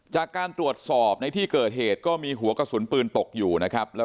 จากการตรวจสอบในที่เกิดเหตุก็มีหัวกระสุนปืนตกอยู่นะครับ